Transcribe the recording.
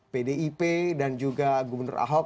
pdip dan juga gubernur ahok